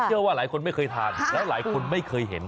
เชื่อว่าหลายคนไม่เคยทานแล้วหลายคนไม่เคยเห็น